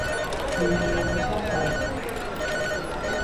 Viņi ir visapkārt!